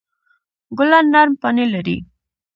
ګلان نرم پاڼې لري.